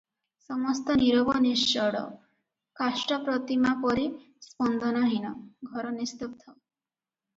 ସମସ୍ତ ନୀରବ ନିଶ୍ଚଳ, କାଷ୍ଠ ପ୍ରତିମା ପରି ସ୍ପନ୍ଦନହୀନ, ଘର ନିସ୍ତବ୍ଧ ।